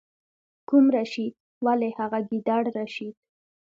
کوم رشید؟ ولې هغه ګیدړ رشید.